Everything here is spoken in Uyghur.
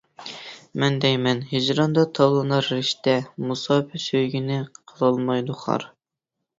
مەن دەيمەن ھىجراندا تاۋلىنار رىشتە، مۇساپە سۆيگۈنى قىلالمايدۇ خار.